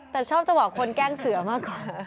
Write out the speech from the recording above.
แต่ชอบจะบอกคนแกล้งเสือมากกว่า